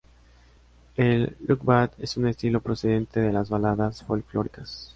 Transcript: El luc-bát es un estilo procedente de las baladas folclóricas.